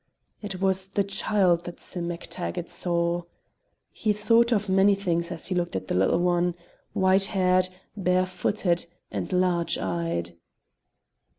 It was the child that Sim MacTaggart saw. He thought of many things as he looked at the little one, white haired, bare footed, and large eyed.